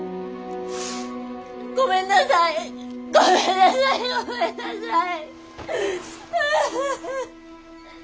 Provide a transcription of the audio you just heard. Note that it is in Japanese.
ごめんなさいごめんなさいごめんなさい。